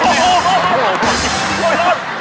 โอ้โฮโอ้โฮ